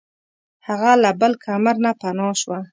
هغه له بل کمر نه پناه شوه.